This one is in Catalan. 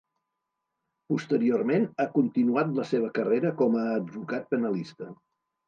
Posteriorment ha continuat la seva carrera com a advocat penalista.